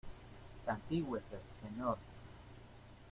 santígüese, señor.